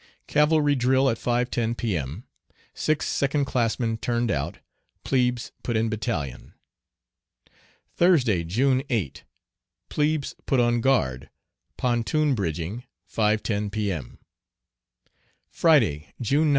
Cavalry drill at 5.10 P.M. Six second classmen turned out. Plebes put in battalion. Thursday, June 8. Plebes put on guard. Pontoon bridging, 5.10 P. M. Friday, June 9.